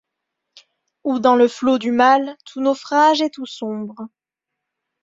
Ou dans le flot du mal tout naufrage et tout sombre